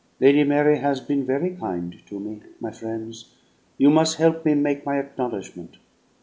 Lady Mary has been very kind to me, my frien's; you mus' help me make my acknowledgment.